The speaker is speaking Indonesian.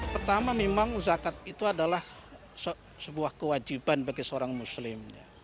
pertama memang zakat itu adalah sebuah kewajiban bagi seorang muslim